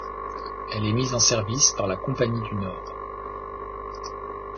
Elle est mise en service par la Compagnie du Nord.